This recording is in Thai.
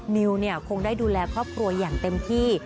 มิวคงได้ดูแลครอบครัวอย่างเต็มที่